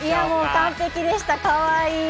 完璧でした、かわいい。